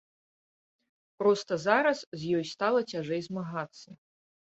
Проста зараз з ёй стала цяжэй змагацца.